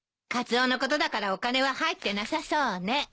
カツオのことだからお金は入ってなさそうね。